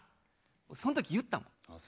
そん時言ったもん。